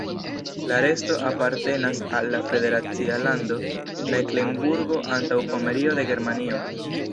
La resto apartenas al la federacia lando Meklenburgo-Antaŭpomerio de Germanio.